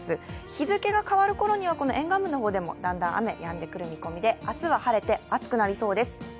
日付が変わるころには沿岸部の方でもだんだん雨がやんでくる見込みで明日は晴れて暑くなりそうです。